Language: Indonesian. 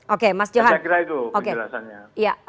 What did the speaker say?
oke mas johan saya kira itu penjelasannya